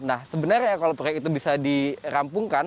nah sebenarnya kalau proyek itu bisa dirampungkan